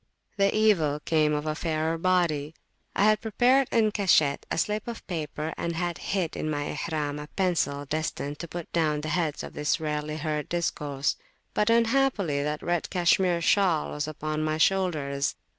The evil came of a fairer body. I had prepared en cachette a slip of paper, and had hid in my Ihram a pencil destined to put down the heads of this rarely heard discourse. But unhappily that red cashmere shawl was upon my shoulders.